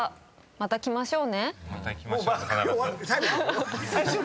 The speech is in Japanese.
また来ましょう。